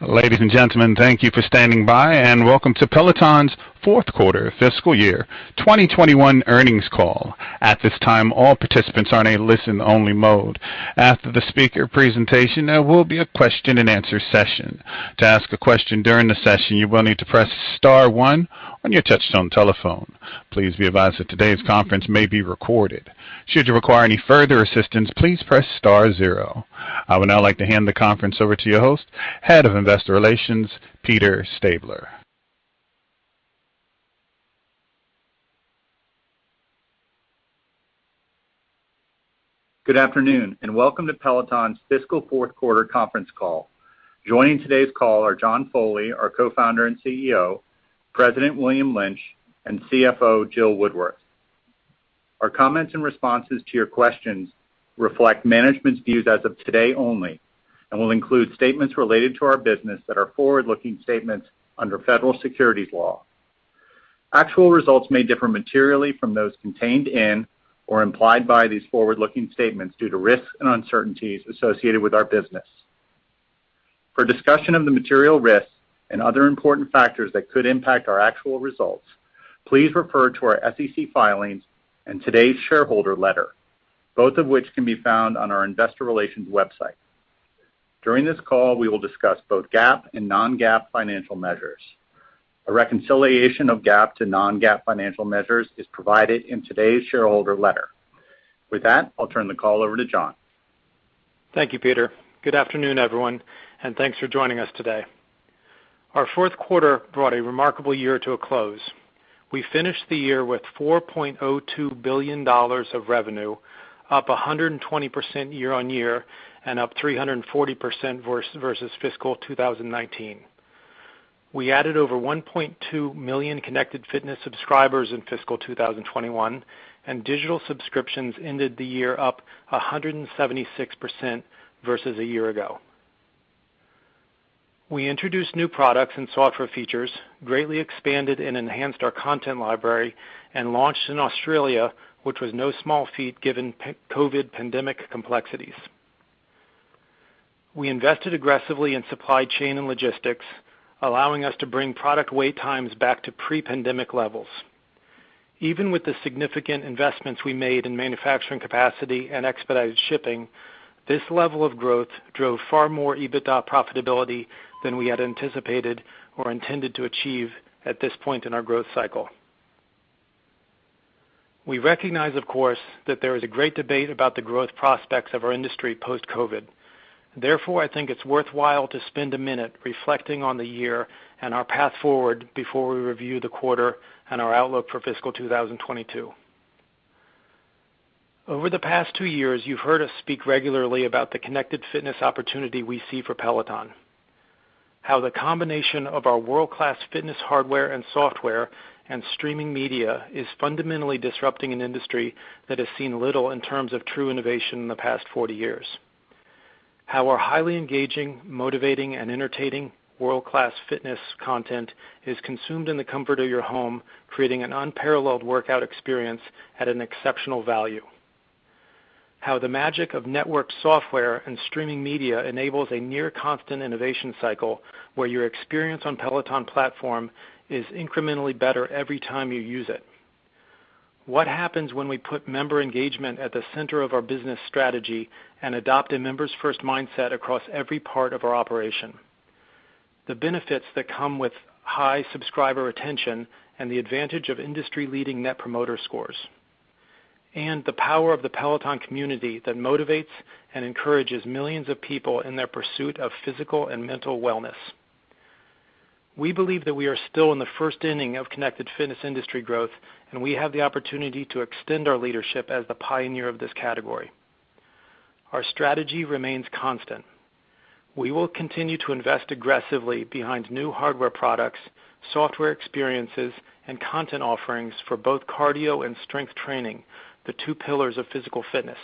Ladies and gentlemen, thank you for standing by, and welcome to Peloton's fourth quarter fiscal year 2021 earnings call. At this time all participants are in a listen-only mode. After the speaker presentation there will be a question and answer session. To ask a question during the session you will need to press star one on your touchtone telephone. Please be advised that today's conference may be recorded. Should you require any further assistance please press star zero. I would now like to hand the conference over to your host, Head of Investor Relations, Peter Stabler. Good afternoon, and welcome to Peloton's fiscal fourth quarter conference call. Joining today's call are John Foley, our Co-founder and CEO, President William Lynch, and CFO Jill Woodworth. Our comments and responses to your questions reflect management's views as of today only, and will include statements related to our business that are forward-looking statements under federal securities law. Actual results may differ materially from those contained in or implied by these forward-looking statements due to risks and uncertainties associated with our business. For discussion of the material risks and other important factors that could impact our actual results, please refer to our SEC filings and today's shareholder letter, both of which can be found on our investor relations website. During this call, we will discuss both GAAP and non-GAAP financial measures. A reconciliation of GAAP to non-GAAP financial measures is provided in today's shareholder letter. With that, I'll turn the call over to John. Thank you, Peter. Good afternoon, everyone, and thanks for joining us today. Our fourth quarter brought a remarkable year to a close. We finished the year with $4.02 billion of revenue, up 120% year-on-year and up 340% versus fiscal 2019. We added over 1.2 million connected fitness subscribers in fiscal 2021, and digital subscriptions ended the year up 176% versus a year ago. We introduced new products and software features, greatly expanded and enhanced our content library and launched in Australia, which was no small feat given COVID pandemic complexities. We invested aggressively in supply chain and logistics, allowing us to bring product wait times back to pre-pandemic levels. Even with the significant investments we made in manufacturing capacity and expedited shipping, this level of growth drove far more EBITDA profitability than we had anticipated or intended to achieve at this point in our growth cycle. We recognize, of course, that there is a great debate about the growth prospects of our industry post-COVID. I think it's worthwhile to spend a minute reflecting on the year and our path forward before we review the quarter and our outlook for fiscal 2022. Over the past two years, you've heard us speak regularly about the connected fitness opportunity we see for Peloton. How the combination of our world-class fitness hardware and software and streaming media is fundamentally disrupting an industry that has seen little in terms of true innovation in the past 40 years. How our highly engaging, motivating, and entertaining world-class fitness content is consumed in the comfort of your home, creating an unparalleled workout experience at an exceptional value. How the magic of network software and streaming media enables a near constant innovation cycle, where your experience on Peloton platform is incrementally better every time you use it. What happens when we put member engagement at the center of our business strategy and adopt a members first mindset across every part of our operation. The benefits that come with high subscriber retention and the advantage of industry-leading Net Promoter Scores. The power of the Peloton community that motivates and encourages millions of people in their pursuit of physical and mental wellness. We believe that we are still in the first inning of connected fitness industry growth, and we have the opportunity to extend our leadership as the pioneer of this category. Our strategy remains constant. We will continue to invest aggressively behind new hardware products, software experiences, and content offerings for both cardio and strength training, the two pillars of physical fitness.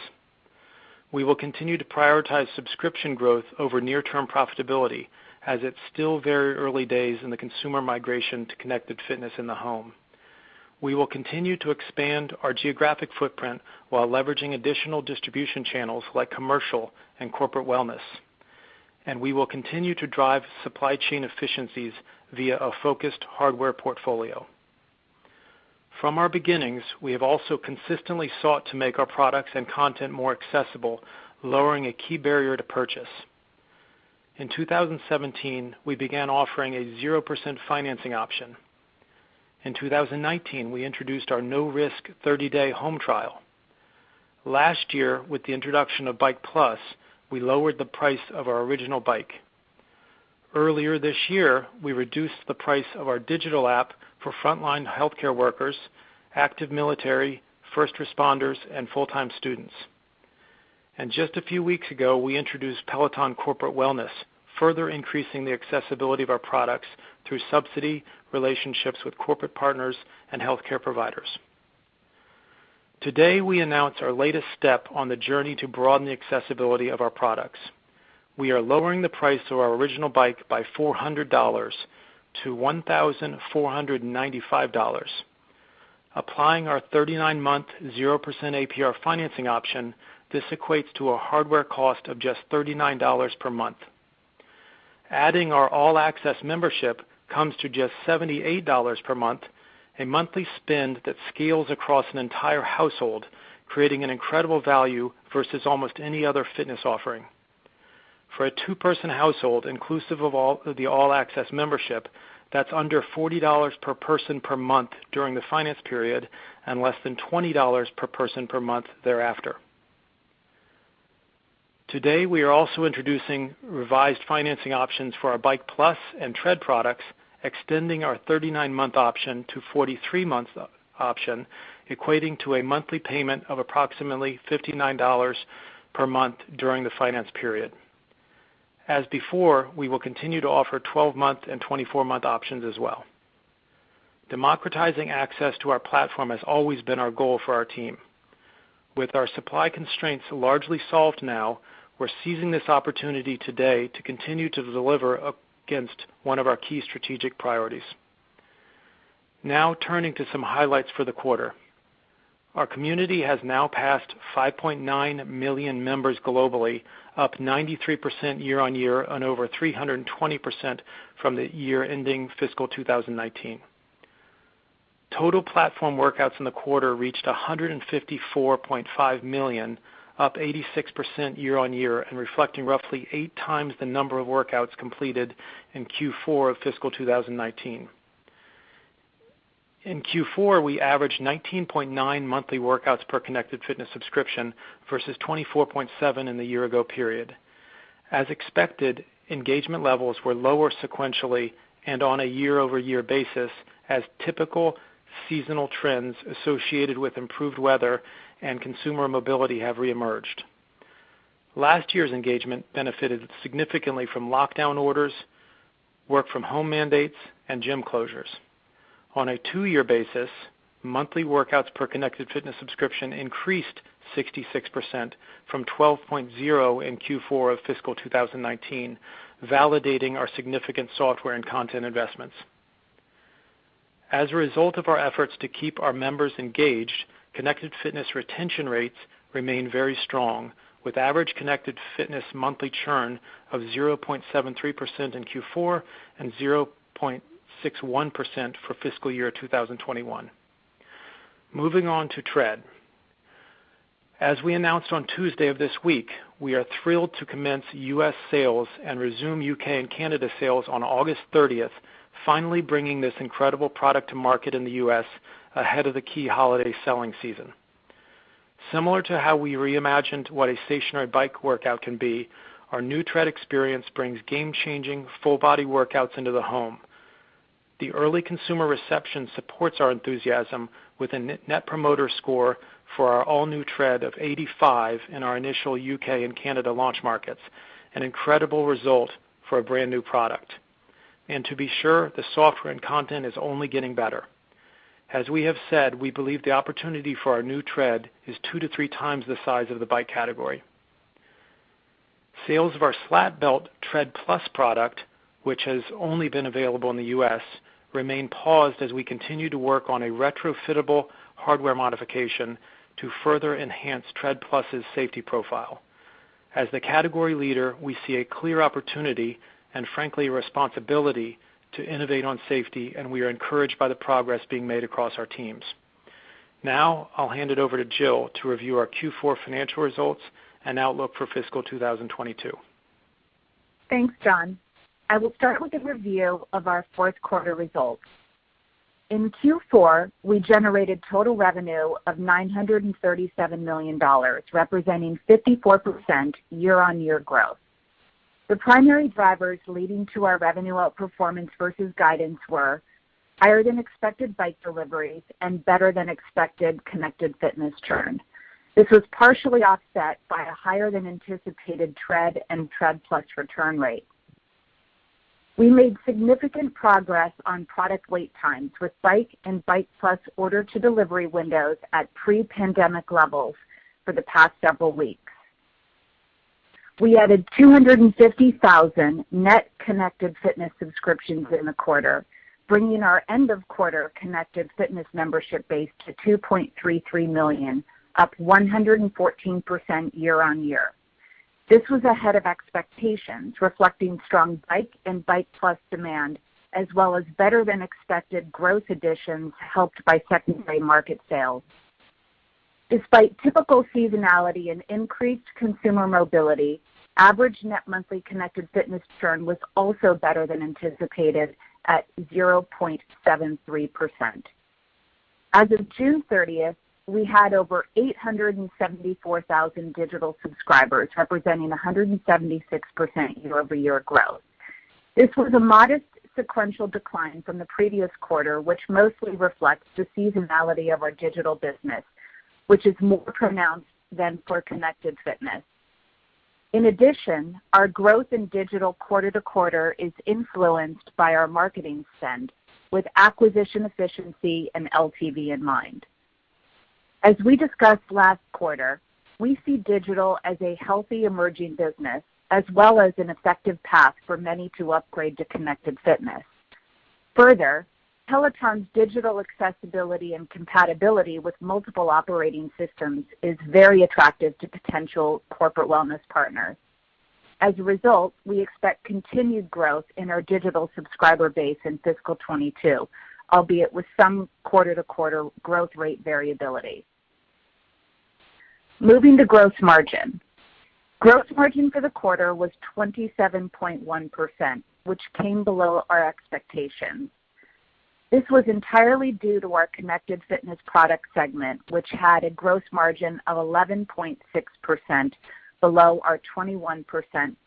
We will continue to prioritize subscription growth over near-term profitability, as it's still very early days in the consumer migration to connected fitness in the home. We will continue to expand our geographic footprint while leveraging additional distribution channels like commercial and Peloton Corporate Wellness. We will continue to drive supply chain efficiencies via a focused hardware portfolio. From our beginnings, we have also consistently sought to make our products and content more accessible, lowering a key barrier to purchase. In 2017, we began offering a 0% financing option. In 2019, we introduced our no risk 30-day home trial. Last year, with the introduction of Bike+, we lowered the price of our original bike. Earlier this year, we reduced the price of our digital app for frontline healthcare workers, active military, first responders, and full-time students. Just a few weeks ago, we introduced Peloton Corporate Wellness, further increasing the accessibility of our products through subsidy, relationships with corporate partners, and healthcare providers. Today, we announce our latest step on the journey to broaden the accessibility of our products. We are lowering the price of our original bike by $400 to $1,495. Applying our 39-month 0% APR financing option, this equates to a hardware cost of just $39 per month. Adding our All-Access membership comes to just $78 per month, a monthly spend that scales across an entire household, creating an incredible value versus almost any other fitness offering. For a two-person household, inclusive of the All-Access membership, that's under $40 per person per month during the finance period, and less than $20 per person per month thereafter. Today, we are also introducing revised financing options for our Bike+ and Tread products, extending our 39-month option to 43-month option, equating to a monthly payment of approximately $59 per month during the finance period. As before, we will continue to offer 12-month and 24-month options as well. Democratizing access to our platform has always been our goal for our team. With our supply constraints largely solved now, we're seizing this opportunity today to continue to deliver against one of our key strategic priorities. Now, turning to some highlights for the quarter. Our community has now passed 5.9 million members globally, up 93% year-on-year and over 320% from the year ending fiscal 2019. Total platform workouts in the quarter reached 154.5 million, up 86% year-on-year and reflecting roughly eight times the number of workouts completed in Q4 of fiscal 2019. In Q4, we averaged 19.9 monthly workouts per connected fitness subscription versus 24.7 in the year-ago period. As expected, engagement levels were lower sequentially and on a year-over-year basis as typical seasonal trends associated with improved weather and consumer mobility have reemerged. Last year's engagement benefited significantly from lockdown orders, work from home mandates, and gym closures. On a two-year basis, monthly workouts per connected fitness subscription increased 66% from 12.0 in Q4 of fiscal 2019, validating our significant software and content investments. As a result of our efforts to keep our members engaged, connected fitness retention rates remain very strong, with average connected fitness monthly churn of 0.73% in Q4 and 0.61% for fiscal year 2021. Moving on to Tread. As we announced on Tuesday of this week, we are thrilled to commence U.S. sales and resume U.K. and Canada sales on August 30th, finally bringing this incredible product to market in the U.S. ahead of the key holiday selling season. Similar to how we reimagined what a stationary bike workout can be, our new Tread experience brings game-changing full body workouts into the home. The early consumer reception supports our enthusiasm with a Net Promoter Score for our all-new Tread of 85 in our initial U.K. and Canada launch markets, an incredible result for a brand-new product. To be sure, the software and content is only getting better. As we have said, we believe the opportunity for our new Tread is two to three times the size of the Bike category. Sales of our slat belt Tread+ product, which has only been available in the U.S., remain paused as we continue to work on a retrofittable hardware modification to further enhance Tread+'s safety profile. As the category leader, we see a clear opportunity, and frankly, a responsibility to innovate on safety, and we are encouraged by the progress being made across our teams. Now, I'll hand it over to Jill to review our Q4 financial results and outlook for fiscal 2022. Thanks, John. I will start with a review of our fourth quarter results. In Q4, we generated total revenue of $937 million, representing 54% year-on-year growth. The primary drivers leading to our revenue outperformance versus guidance were higher than expected Bike deliveries and better than expected connected fitness churn. This was partially offset by a higher than anticipated Tread and Tread+ return rate. We made significant progress on product wait times with Bike and Bike+ order to delivery windows at pre-pandemic levels for the past several weeks. We added 250,000 net connected fitness subscriptions in the quarter, bringing our end of quarter connected fitness membership base to 2.33 million, up 114% year-on-year. This was ahead of expectations, reflecting strong Bike and Bike+ demand, as well as better than expected gross additions helped by secondary market sales. Despite typical seasonality and increased consumer mobility, average net monthly connected fitness churn was also better than anticipated at 0.73%. As of June 30th, we had over 874,000 digital subscribers, representing 176% year-over-year growth. This was a modest sequential decline from the previous quarter, which mostly reflects the seasonality of our digital business, which is more pronounced than for connected fitness. In addition, our growth in digital quarter-to-quarter is influenced by our marketing spend with acquisition efficiency and LTV in mind. As we discussed last quarter, we see digital as a healthy emerging business, as well as an effective path for many to upgrade to connected fitness. Further, Peloton's digital accessibility and compatibility with multiple operating systems is very attractive to potential corporate wellness partners. As a result, we expect continued growth in our digital subscriber base in fiscal 2022, albeit with some quarter-to-quarter growth rate variability. Moving to gross margin. Gross margin for the quarter was 27.1%, which came below our expectations. This was entirely due to our connected fitness product segment, which had a gross margin of 11.6%, below our 21%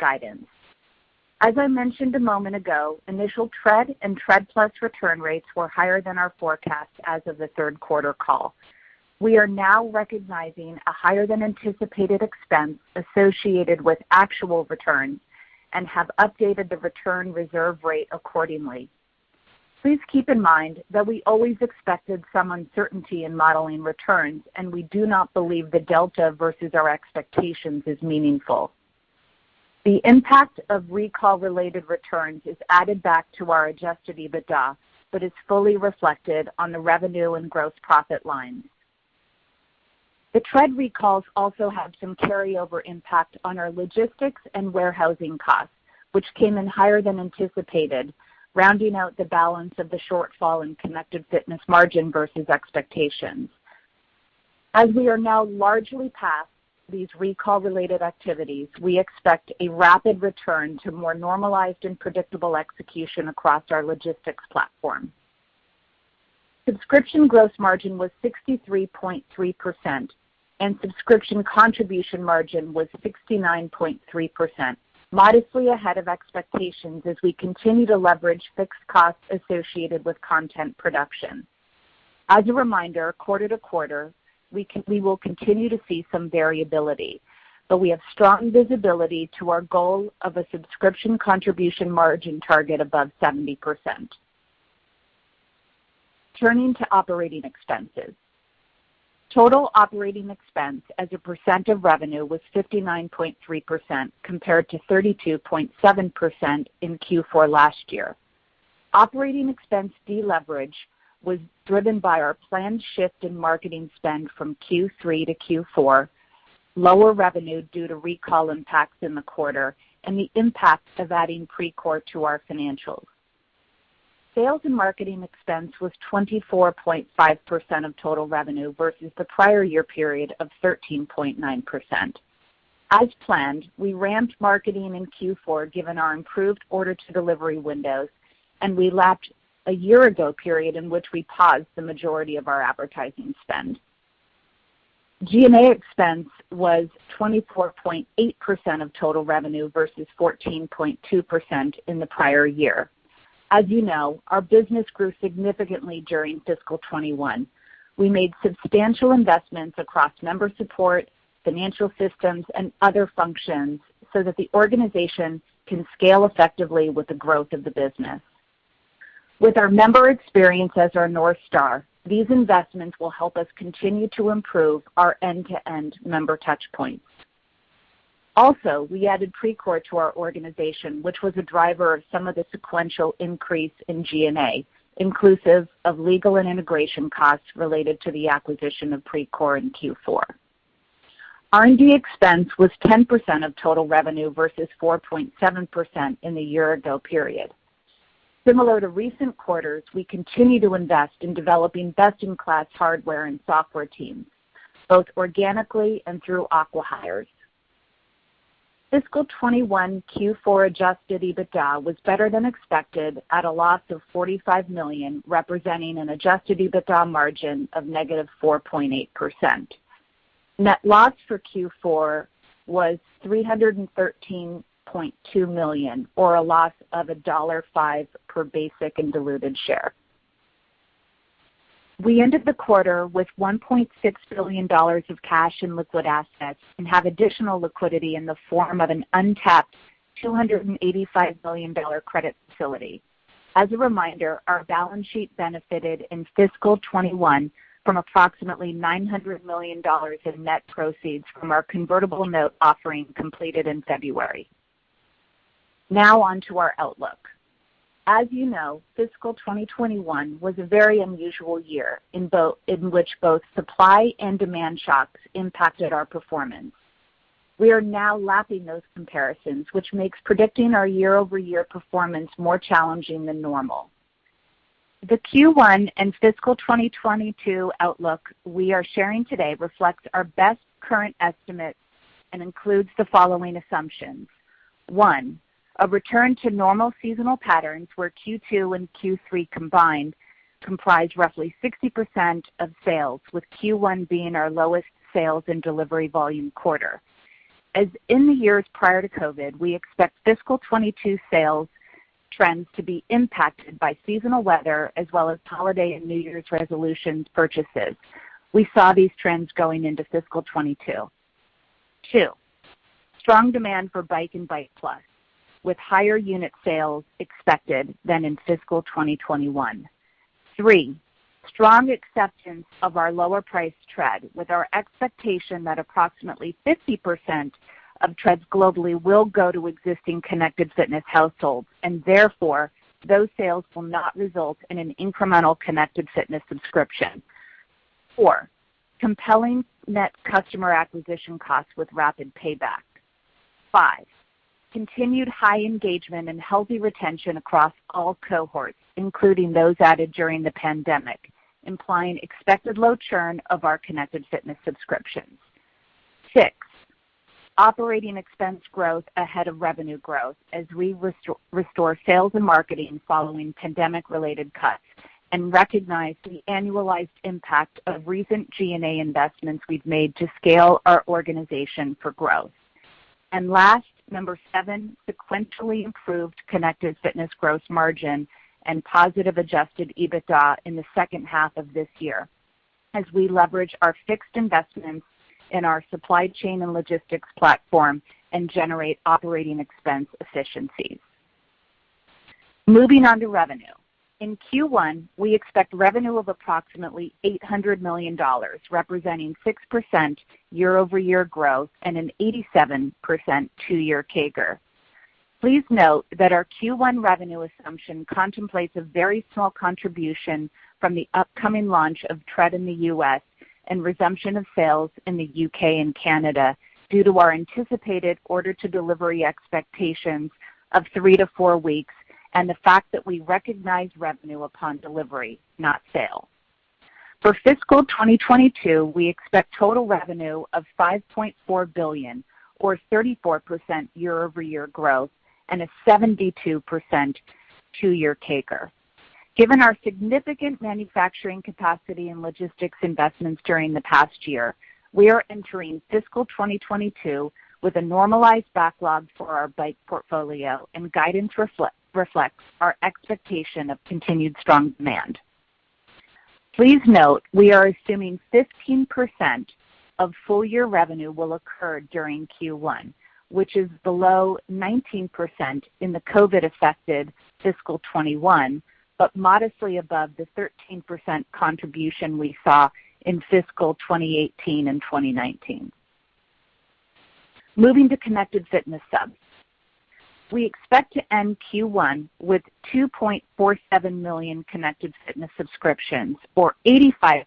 guidance. As I mentioned a moment ago, initial Tread and Tread+ return rates were higher than our forecast as of the third quarter call. We are now recognizing a higher than anticipated expense associated with actual returns and have updated the return reserve rate accordingly. Please keep in mind that we always expected some uncertainty in modeling returns, and we do not believe the delta versus our expectations is meaningful. The impact of recall-related returns is added back to our adjusted EBITDA, but is fully reflected on the revenue and gross profit lines. The Tread recalls also had some carryover impact on our logistics and warehousing costs, which came in higher than anticipated, rounding out the balance of the shortfall in connected fitness margin versus expectations. As we are now largely past these recall-related activities, we expect a rapid return to more normalized and predictable execution across our logistics platform. Subscription gross margin was 63.3%, and subscription contribution margin was 69.3%, modestly ahead of expectations as we continue to leverage fixed costs associated with content production. As a reminder, quarter to quarter, we will continue to see some variability, but we have strong visibility to our goal of a subscription contribution margin target above 70%. Turning to operating expenses. Total operating expense as a percent of revenue was 59.3%, compared to 32.7% in Q4 last year. Operating expense deleverage was driven by our planned shift in marketing spend from Q3 to Q4, lower revenue due to recall impacts in the quarter, and the impact of adding Precor to our financials. Sales and marketing expense was 24.5% of total revenue versus the prior year period of 13.9%. As planned, we ramped marketing in Q4 given our improved order-to-delivery windows, and we lapped a year-ago period in which we paused the majority of our advertising spend. G&A expense was 24.8% of total revenue versus 14.2% in the prior year. As you know, our business grew significantly during fiscal 2021. We made substantial investments across member support, financial systems, and other functions so that the organization can scale effectively with the growth of the business. With our member experience as our North Star, these investments will help us continue to improve our end-to-end member touchpoints. Also, we added Precor to our organization, which was a driver of some of the sequential increase in G&A, inclusive of legal and integration costs related to the acquisition of Precor in Q4. R&D expense was 10% of total revenue versus 4.7% in the year-ago period. Similar to recent quarters, we continue to invest in developing best-in-class hardware and software teams, both organically and through acquihires. Fiscal 2021 Q4 adjusted EBITDA was better than expected at a loss of $45 million, representing an adjusted EBITDA margin of -4.8%. Net loss for Q4 was $313.2 million, or a loss of $1.5 per basic and diluted share. We ended the quarter with $1.6 billion of cash and liquid assets and have additional liquidity in the form of an untapped $285 million credit facility. As a reminder, our balance sheet benefited in fiscal 2021 from approximately $900 million in net proceeds from our convertible note offering completed in February. Now on to our outlook. As you know, fiscal 2021 was a very unusual year in which both supply and demand shocks impacted our performance. We are now lapping those comparisons, which makes predicting our year-over-year performance more challenging than normal. The Q1 and fiscal 2022 outlook we are sharing today reflects our best current estimates and includes the following assumptions. One, a return to normal seasonal patterns where Q2 and Q3 combined comprise roughly 60% of sales, with Q1 being our lowest sales and delivery volume quarter. As in the years prior to COVID, we expect fiscal 2022 sales trends to be impacted by seasonal weather as well as holiday and New Year's resolution purchases. We saw these trends going into fiscal 2022. Two. Strong demand for Bike and Bike+, with higher unit sales expected than in fiscal 2021. Three. Strong acceptance of our lower priced Tread, with our expectation that approximately 50% of Treads globally will go to existing connected fitness households, and therefore, those sales will not result in an incremental connected fitness subscription. Four. Compelling Net Customer Acquisition Costs with rapid payback. Five. Continued high engagement and healthy retention across all cohorts, including those added during the pandemic, implying expected low churn of our connected fitness subscriptions. Six. Operating expense growth ahead of revenue growth as we restore sales and marketing following pandemic-related cuts, and recognize the annualized impact of recent G&A investments we've made to scale our organization for growth. Last, number seven, sequentially improved connected fitness gross margin and positive adjusted EBITDA in the second half of this year, as we leverage our fixed investments in our supply chain and logistics platform and generate operating expense efficiencies. Moving on to revenue. In Q1, we expect revenue of approximately $800 million, representing 6% year-over-year growth and an 87% two-year CAGR. Please note that our Q1 revenue assumption contemplates a very small contribution from the upcoming launch of Tread in the U.S. and resumption of sales in the U.K. and Canada due to our anticipated order to delivery expectations of three to four weeks, and the fact that we recognize revenue upon delivery, not sale. For fiscal 2022, we expect total revenue of $5.4 billion, or 34% year-over-year growth, and a 72% two-year CAGR. Given our significant manufacturing capacity and logistics investments during the past year, we are entering fiscal 2022 with a normalized backlog for our Bike portfolio. Guidance reflects our expectation of continued strong demand. Please note we are assuming 15% of full year revenue will occur during Q1, which is below 19% in the COVID affected fiscal 2021. Modestly above the 13% contribution we saw in fiscal 2018 and 2019. Moving to connected fitness subs. We expect to end Q1 with 2.47 million connected fitness subscriptions, or 85%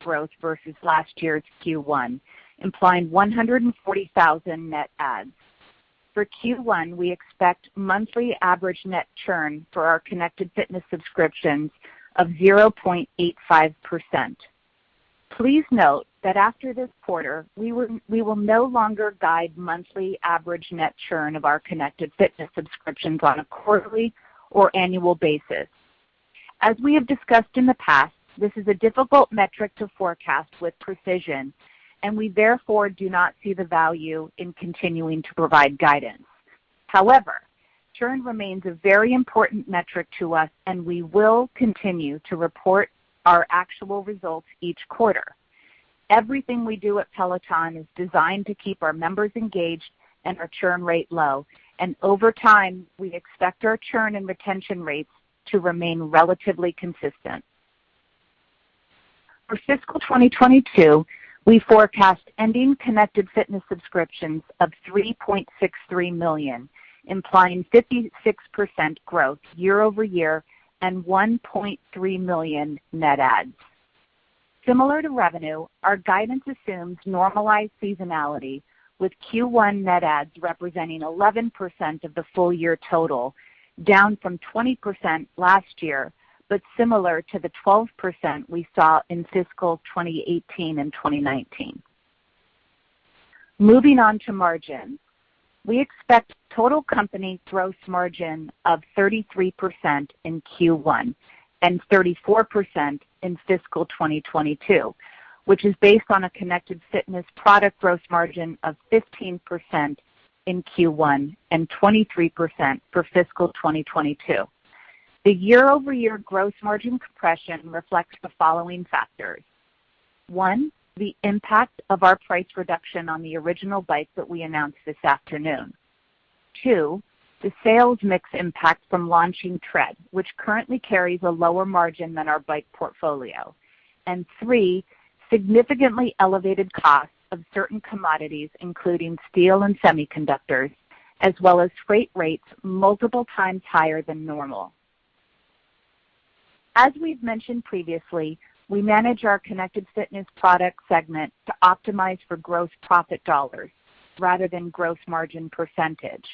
growth versus last year's Q1, implying 140,000 net adds. For Q1, we expect monthly average net churn for our connected fitness subscriptions of 0.85%. Please note that after this quarter, we will no longer guide monthly average net churn of our connected fitness subscriptions on a quarterly or annual basis. As we have discussed in the past, this is a difficult metric to forecast with precision, and we therefore do not see the value in continuing to provide guidance. However, churn remains a very important metric to us, and we will continue to report our actual results each quarter. Everything we do at Peloton is designed to keep our members engaged and our churn rate low, and over time, we expect our churn and retention rates to remain relatively consistent. For fiscal 2022, we forecast ending connected fitness subscriptions of 3.63 million, implying 56% growth year-over-year and 1.3 million net adds. Similar to revenue, our guidance assumes normalized seasonality, with Q1 net adds representing 11% of the full year total, down from 20% last year, but similar to the 12% we saw in fiscal 2018 and 2019. Moving on to margin. We expect total company gross margin of 33% in Q1 and 34% in fiscal 2022, which is based on a connected fitness product gross margin of 15% in Q1 and 23% for fiscal 2022. The year-over-year gross margin compression reflects the following factors. One, the impact of our price reduction on the original Bike that we announced this afternoon. Two, the sales mix impact from launching Tread, which currently carries a lower margin than our Bike portfolio. Three, significantly elevated costs of certain commodities, including steel and semiconductors, as well as freight rates multiple times higher than normal. As we've mentioned previously, we manage our connected fitness product segment to optimize for gross profit dollars rather than gross margin percentage.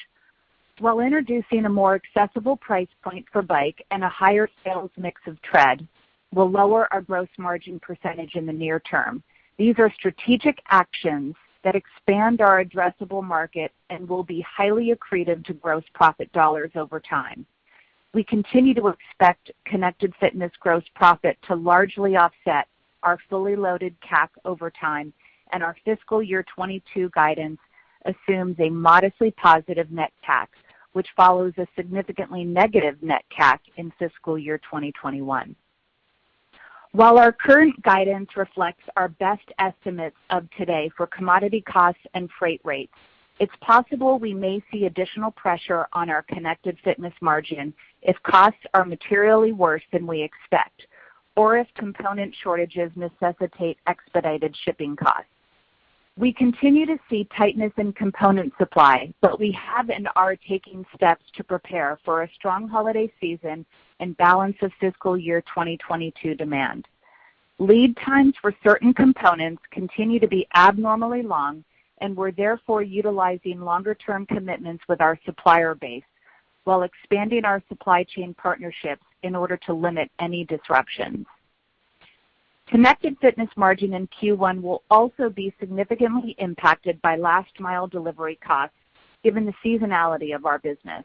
While introducing a more accessible price point for Bike and a higher sales mix of Tread will lower our gross margin percentage in the near term, these are strategic actions that expand our addressable market and will be highly accretive to gross profit dollars over time. We continue to expect connected fitness gross profit to largely offset our fully loaded CAC over time, and our fiscal year 2022 guidance assumes a modestly positive Net CAC, which follows a significantly negative Net CAC in fiscal year 2021. While our current guidance reflects our best estimates of today for commodity costs and freight rates, it's possible we may see additional pressure on our connected fitness margin if costs are materially worse than we expect, or if component shortages necessitate expedited shipping costs. We continue to see tightness in component supply, but we have and are taking steps to prepare for a strong holiday season and balance of fiscal year 2022 demand. Lead times for certain components continue to be abnormally long, and we're therefore utilizing longer-term commitments with our supplier base while expanding our supply chain partnerships in order to limit any disruptions. connected fitness margin in Q1 will also be significantly impacted by last-mile delivery costs, given the seasonality of our business.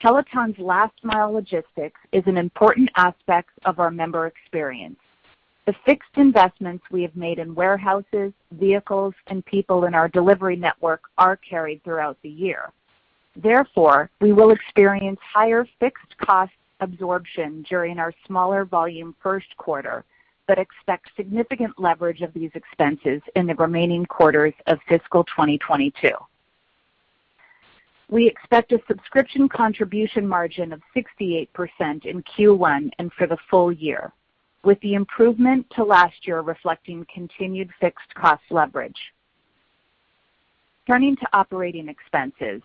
Peloton's last-mile logistics is an important aspect of our member experience. The fixed investments we have made in warehouses, vehicles, and people in our delivery network are carried throughout the year. Therefore, we will experience higher fixed cost absorption during our smaller volume first quarter, but expect significant leverage of these expenses in the remaining quarters of fiscal 2022. We expect a subscription contribution margin of 68% in Q1 and for the full year, with the improvement to last year reflecting continued fixed cost leverage. Turning to operating expenses.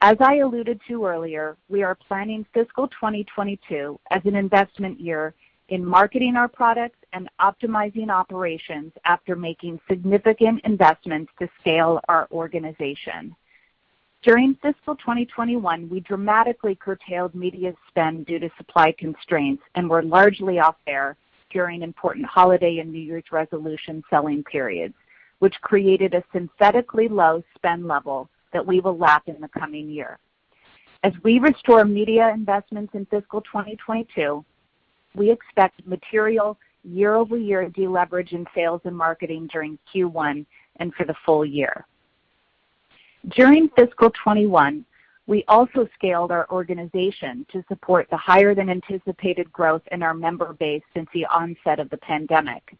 As I alluded to earlier, we are planning fiscal 2022 as an investment year in marketing our products and optimizing operations after making significant investments to scale our organization. During fiscal 2021, we dramatically curtailed media spend due to supply constraints and were largely off air during important holiday and New Year's resolution selling periods, which created a synthetically low spend level that we will lap in the coming year. As we restore media investments in fiscal 2022, we expect material year-over-year deleverage in sales and marketing during Q1 and for the full year. During fiscal 2021, we also scaled our organization to support the higher-than-anticipated growth in our member base since the onset of the pandemic.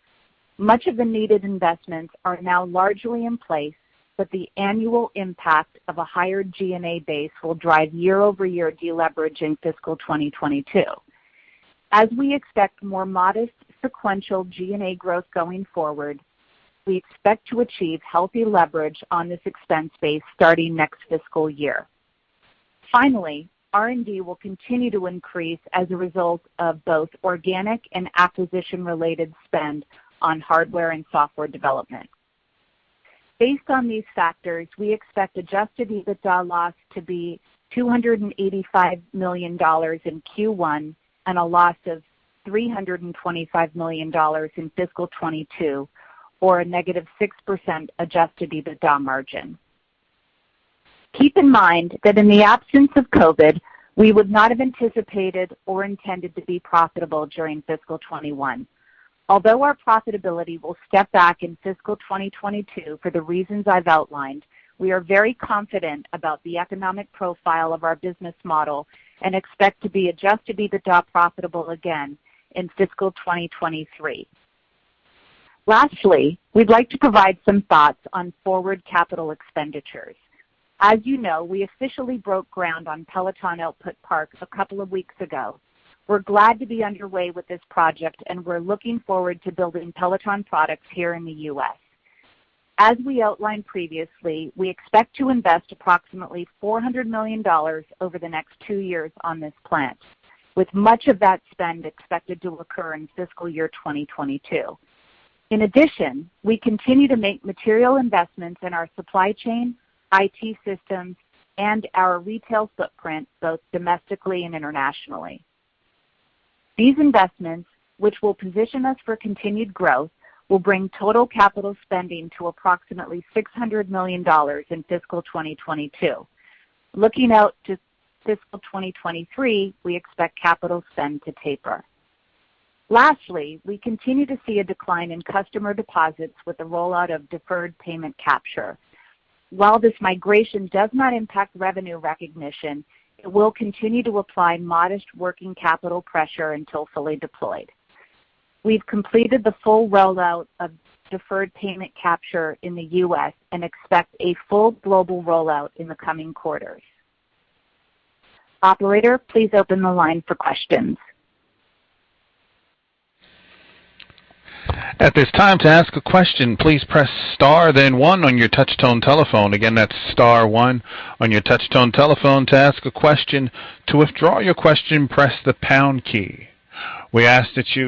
Much of the needed investments are now largely in place, but the annual impact of a higher G&A base will drive year-over-year deleverage in fiscal 2022. As we expect more modest sequential G&A growth going forward, we expect to achieve healthy leverage on this expense base starting next fiscal year. Finally, R&D will continue to increase as a result of both organic and acquisition-related spend on hardware and software development. Based on these factors, we expect adjusted EBITDA loss to be $285 million in Q1 and a loss of $325 million in fiscal 2022, or a -6% adjusted EBITDA margin. Keep in mind that in the absence of COVID, we would not have anticipated or intended to be profitable during fiscal 2021. Although our profitability will step back in fiscal 2022 for the reasons I've outlined, we are very confident about the economic profile of our business model and expect to be adjusted EBITDA profitable again in fiscal 2023. Lastly, we'd like to provide some thoughts on forward capital expenditures. As you know, we officially broke ground on Peloton Output Park a couple of weeks ago. We're glad to be underway with this project, and we're looking forward to building Peloton products here in the U.S. As we outlined previously, we expect to invest approximately $400 million over the next two years on this plant, with much of that spend expected to occur in fiscal year 2022. In addition, we continue to make material investments in our supply chain, IT systems, and our retail footprint, both domestically and internationally. These investments, which will position us for continued growth, will bring total capital spending to approximately $600 million in fiscal 2022. Looking out to fiscal 2023, we expect capital spend to taper. Lastly, we continue to see a decline in customer deposits with the rollout of deferred payment capture. While this migration does not impact revenue recognition, it will continue to apply modest working capital pressure until fully deployed. We've completed the full rollout of deferred payment capture in the U.S. and expect a full global rollout in the coming quarters. Operator, please open the line for questions. Our first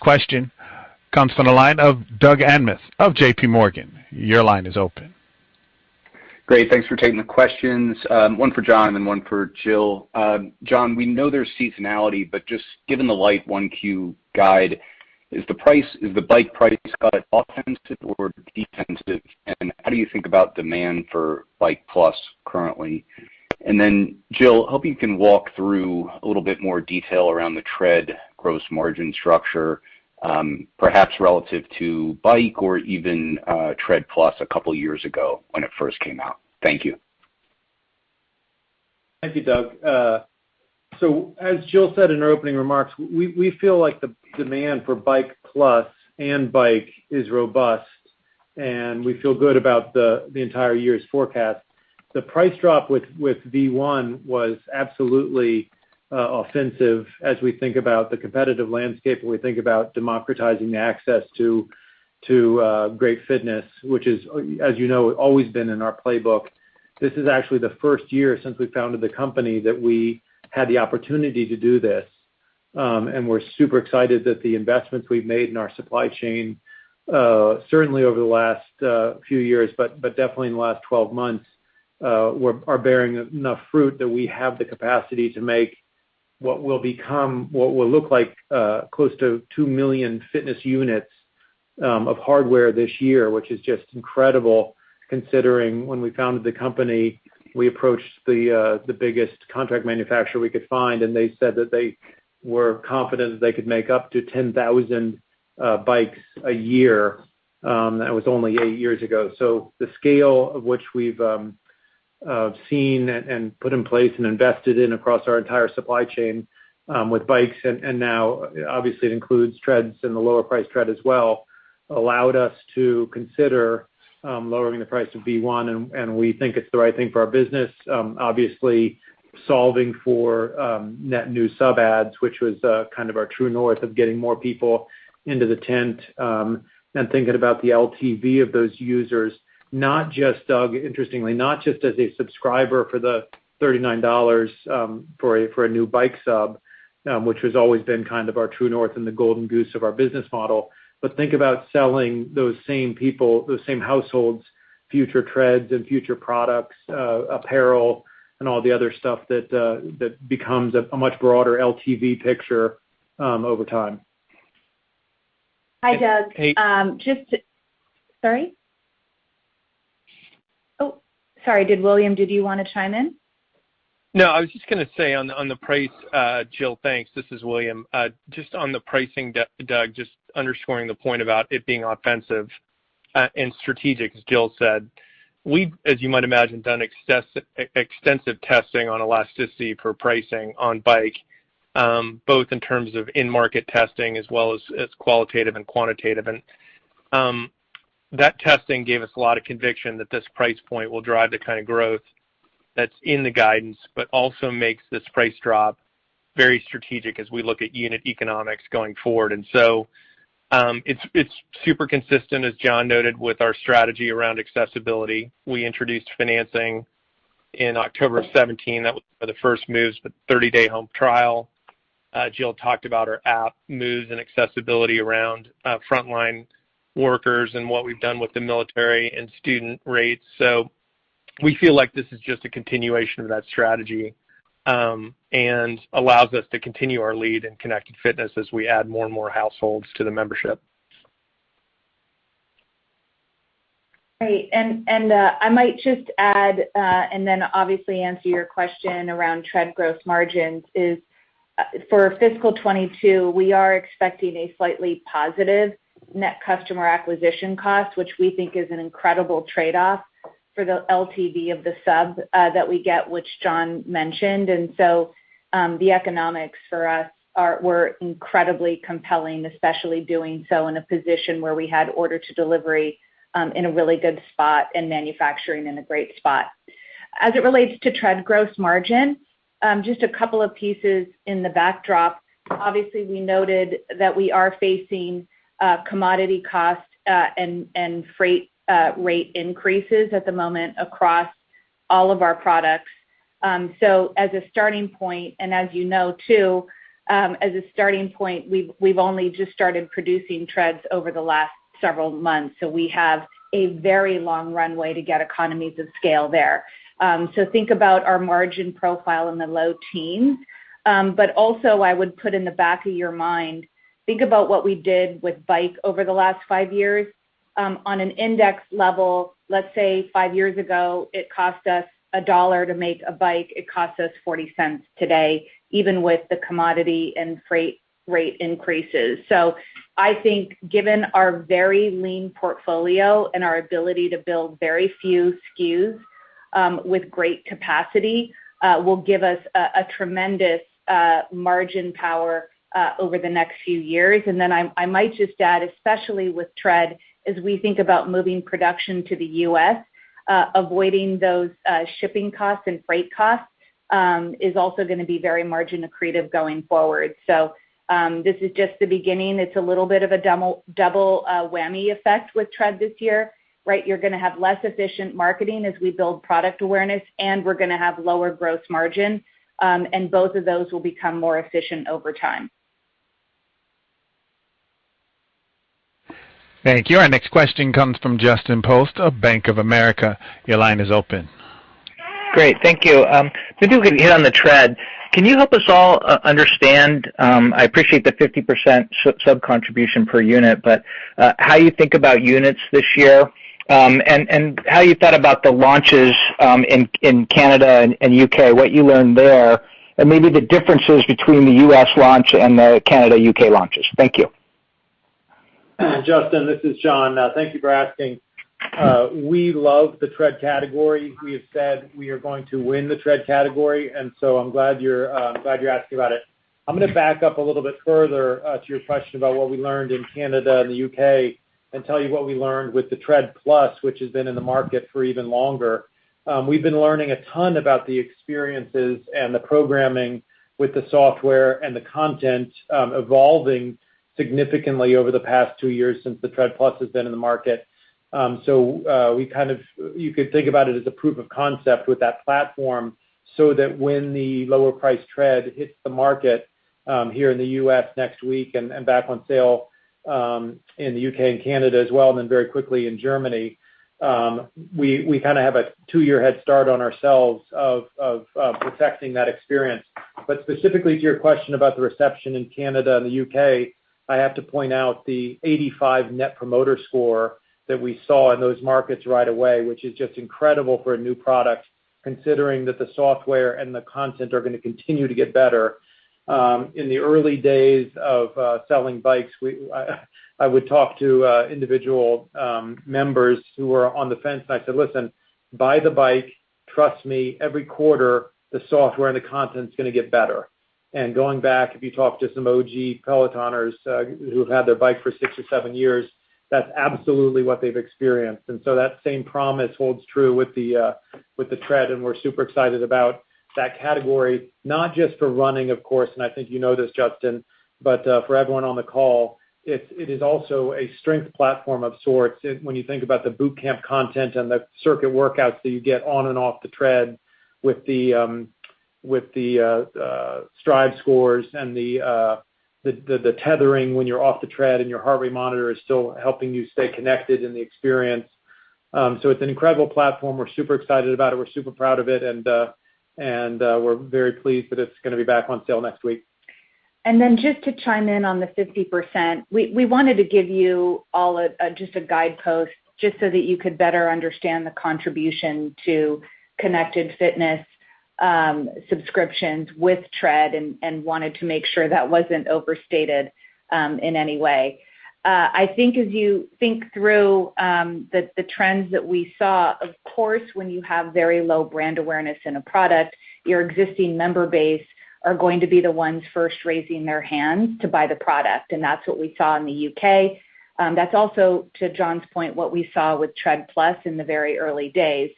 question comes from the line of Doug Anmuth of JPMorgan. Your line is open. Great. Thanks for taking the questions. One for John and one for Jill. John, we know there's seasonality, but just given the light 1Q guide, is the Bike price cut offensive or defensive, and how do you think about demand for Bike+ currently? Jill, I hope you can walk through a little bit more detail around the Tread gross margin structure, perhaps relative to Bike or even Tread+ a couple years ago when it first came out. Thank you. Thank you, Doug. As Jill said in her opening remarks, we feel like the demand for Bike+ and Bike is robust, and we feel good about the entire year's forecast. The price drop with V1 was absolutely offensive as we think about the competitive landscape and we think about democratizing the access to great fitness, which is, as you know, always been in our playbook. This is actually the first year since we founded the company that we had the opportunity to do this. We're super excited that the investments we've made in our supply chain, certainly over the last few years, but definitely in the last 12 months, are bearing enough fruit that we have the capacity to make what will look like close to 2 million fitness units of hardware this year. Which is just incredible considering when we founded the company, we approached the biggest contract manufacturer we could find, and they said that they were confident that they could make up to 10,000 bikes a year. That was only eight years ago. The scale of which we've seen and put in place and invested in across our entire supply chain, with bikes and now obviously it includes treads and the lower price tread as well, allowed us to consider lowering the price of V1 and we think it's the right thing for our business. Obviously solving for net new sub adds, which was kind of our true north of getting more people into the tent, and thinking about the LTV of those users, interestingly, not just as a subscriber for the $39, for a new bike sub, which has always been kind of our true north and the golden goose of our business model. Think about selling those same people, those same households, future Treads and future products, apparel and all the other stuff that becomes a much broader LTV picture, over time. Hi, Doug. Hey. Sorry? Oh, sorry. William, did you want to chime in? No, I was just going to say on the price, Jill, thanks. This is William. Just on the pricing, Doug, just underscoring the point about it being offensive, and strategic, as Jill said. We've, as you might imagine, done extensive testing on elasticity for pricing on bike, both in terms of in-market testing as well as qualitative and quantitative. That testing gave us a lot of conviction that this price point will drive the kind of growth that's in the guidance, but also makes this price drop very strategic as we look at unit economics going forward. It's super consistent, as John noted, with our strategy around accessibility. We introduced financing in October of 2017. That was one of the first moves, the 30-day home trial. Jill talked about our app moves and accessibility around frontline workers and what we've done with the military and student rates. We feel like this is just a continuation of that strategy, and allows us to continue our lead in connected fitness as we add more and more households to the membership. Great. I might just add, and then obviously answer your question around Tread gross margins is, for fiscal 2022, we are expecting a slightly positive Net Customer Acquisition Cost, which we think is an incredible trade-off for the LTV of the sub that we get, which John mentioned. The economics for us were incredibly compelling, especially doing so in a position where we had order to delivery, in a really good spot and manufacturing in a great spot. As it relates to Tread gross margin, just a couple of pieces in the backdrop. Obviously, we noted that we are facing commodity cost and freight rate increases at the moment across all of our products. As a starting point, and as you know too, as a starting point, we've only just started producing Treads over the last several months. We have a very long runway to get economies of scale there. Think about our margin profile in the low teens. Also I would put in the back of your mind, think about what we did with Bike over the last five years. On an index level, let's say five years ago, it cost us $1 to make a Bike. It costs us $0.40 today, even with the commodity and freight rate increases. I think given our very lean portfolio and our ability to build very few SKUs, with great capacity, will give us a tremendous margin power over the next few years. Then I might just add, especially with Tread, as we think about moving production to the U.S., avoiding those shipping costs and freight costs, is also going to be very margin accretive going forward. This is just the beginning. It's a little bit of a double whammy effect with Tread this year. You're going to have less efficient marketing as we build product awareness, and we're going to have lower gross margin, and both of those will become more efficient over time. Thank you. Our next question comes from Justin Post of Bank of America. Your line is open. Great. Thank you. To do a hit on the Tread, can you help us all understand, I appreciate the 50% sub contribution per unit, but how you think about units this year, and how you thought about the launches in Canada and the U.K., what you learned there, and maybe the differences between the U.S. launch and the Canada/U.K. launches. Thank you. Justin, this is John. Thank you for asking. We love the Tread category. We have said we are going to win the Tread category. I'm glad you're asking about it. I'm going to back up a little bit further to your question about what we learned in Canada and the U.K., and tell you what we learned with the Tread+, which has been in the market for even longer. We've been learning a ton about the experiences and the programming with the software and the content evolving significantly over the past two years since the Tread+ has been in the market. You could think about it as a proof of concept with that platform, so that when the lower price Tread hits the market here in the U.S. next week, and back on sale in the U.K. and Canada as well, and then very quickly in Germany, we kind of have a two-year head start on ourselves of perfecting that experience. Specifically to your question about the reception in Canada and the U.K., I have to point out the 85 Net Promoter Score that we saw in those markets right away, which is just incredible for a new product, considering that the software and the content are going to continue to get better. In the early days of selling bikes, I would talk to individual members who were on the fence, and I said, "Listen, buy the bike. Trust me, every quarter, the software and the content's going to get better." Going back, if you talk to some OG Pelotoners who have had their bike for six or seven years, that's absolutely what they've experienced. That same promise holds true with the Tread, and we're super excited about that category. Not just for running, of course, and I think you know this, Justin, but for everyone on the call, it is also a strength platform of sorts when you think about the boot camp content and the circuit workouts that you get on and off the Tread with the Strive Score and the tethering when you're off the Tread and your heart rate monitor is still helping you stay connected in the experience. It's an incredible platform. We're super excited about it. We're super proud of it, and we're very pleased that it's going to be back on sale next week. Just to chime in on the 50%, we wanted to give you all just a guidepost, just so that you could better understand the contribution to connected fitness subscriptions with Tread and wanted to make sure that wasn't overstated in any way. I think as you think through the trends that we saw, of course, when you have very low brand awareness in a product, your existing member base are going to be the ones first raising their hands to buy the product, and that's what we saw in the U.K. That's also, to John's point, what we saw with Tread+ in the very early days.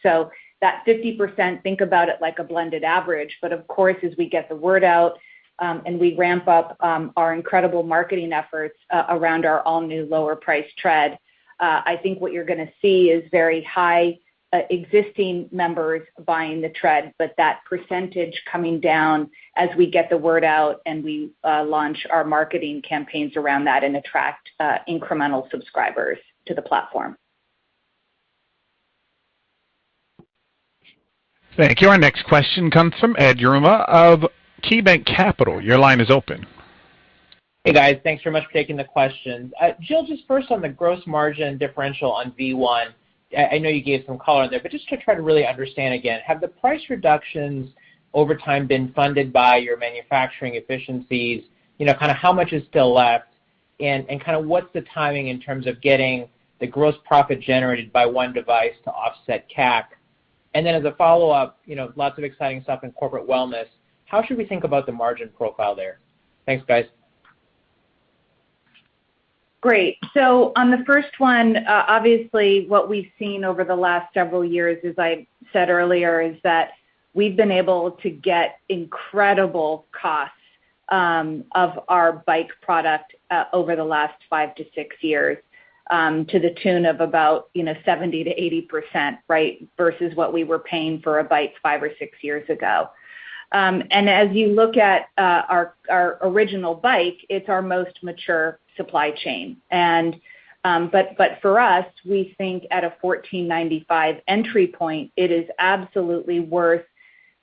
That 50%, think about it like a blended average. Of course, as we get the word out and we ramp up our incredible marketing efforts around our all-new lower price Tread, I think what you're going to see is very high existing members buying the Tread, but that percentage coming down as we get the word out and we launch our marketing campaigns around that and attract incremental subscribers to the platform. Thank you. Our next question comes from Edward Yruma of KeyBanc Capital. Your line is open. Hey, guys. Thanks very much for taking the questions. Jill, just first on the gross margin differential on V1, I know you gave some color on there, but just to try to really understand again, have the price reductions over time been funded by your manufacturing efficiencies? How much is still left, and what's the timing in terms of getting the gross profit generated by one device to offset CAC? As a follow-up, lots of exciting stuff in Corporate Wellness. How should we think about the margin profile there? Thanks, guys. Great. On the first one, obviously, what we've seen over the last several years, as I said earlier, is that we've been able to get incredible costs of our Bike product over the last five to six years, to the tune of about 70%-80%, right, versus what we were paying for a Bike five or six years ago. As you look at our original Bike, it's our most mature supply chain. For us, we think at a $1,495 entry point, it is absolutely worth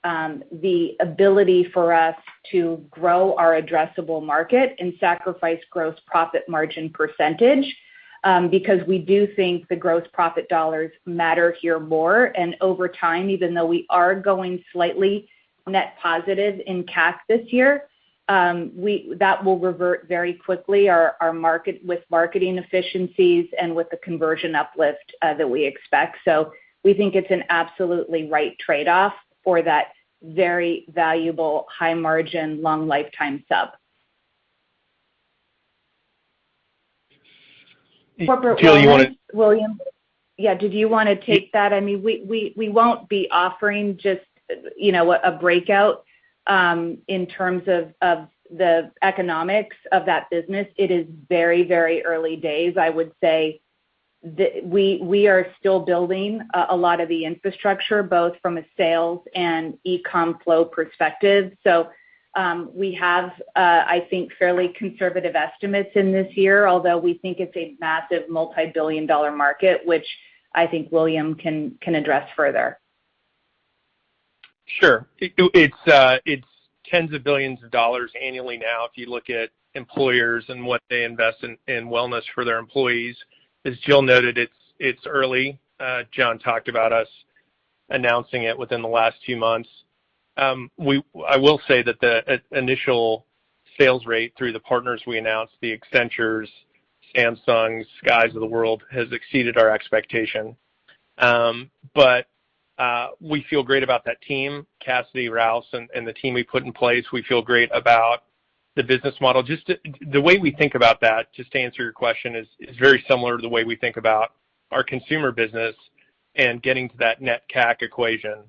the ability for us to grow our addressable market and sacrifice gross profit margin percentage, because we do think the gross profit dollars matter here more, and over time, even though we are going slightly net positive in CAC this year, that will revert very quickly with marketing efficiencies and with the conversion uplift that we expect. We think it's an absolutely right trade-off for that very valuable high margin, long lifetime sub. Jill, you want to- William, yeah, did you want to take that? We won't be offering just a breakout in terms of the economics of that business. It is very early days. I would say that we are still building a lot of the infrastructure, both from a sales and e-com flow perspective. So we have, I think, fairly conservative estimates in this year. Although, we think it's a massive multi-billion dollar market, which I think William can address further. Sure. It's tens of billions of dollars annually now, if you look at employers and what they invest in wellness for their employees. As Jill noted, it's early. John talked about us announcing it within the last few months. I will say that the initial sales rate through the partners we announced, the Accentures, Samsungs, SAP's of the world, has exceeded our expectation. We feel great about that team, Cassidy Rouse, and the team we put in place. We feel great about the business model. Just the way we think about that, just to answer your question, is very similar to the way we think about our consumer business and getting to that Net CAC equation.